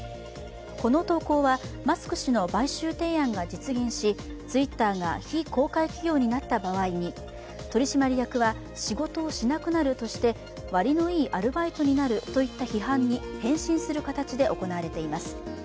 この投稿は、マスク氏の買収提案が実現し、ツイッターが非公開企業になった場合に取締役は仕事をしなくなるとして割のいいアルバイトになるといった批判に返信する形で行われています。